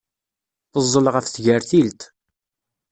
Teẓẓel ɣef tgertilt.